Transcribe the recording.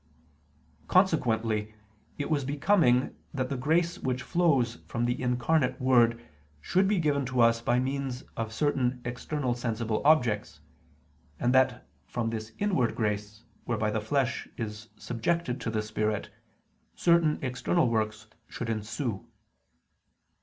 Consequently it was becoming that the grace which flows from the incarnate Word should be given to us by means of certain external sensible objects; and that from this inward grace, whereby the flesh is subjected to the Spirit, certain external works should ensue.